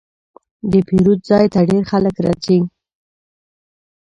د پیرود ځای ته ډېر خلک راځي.